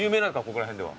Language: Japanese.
ここら辺では。